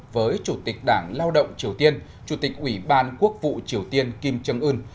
với chủ tịch đảng lao động triều tiên chủ tịch ủy ban quốc vụ triều tiên kim trương ưn